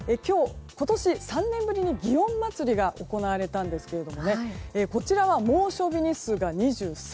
今年、３年ぶりに祇園祭りが行われたんですけどこちらは猛暑日日数が２３日。